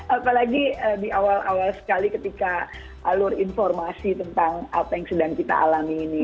apalagi di awal awal sekali ketika alur informasi tentang apa yang sedang kita alami ini